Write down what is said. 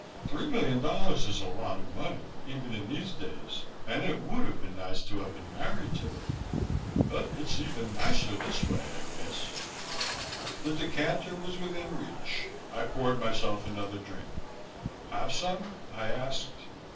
Three million dollars is a lot of money, even in these days, and it would have been nice to have been married to it. But it's even nicer this way, I guess." The decanter was within reach. I poured myself another drink. "Have some?" I asked.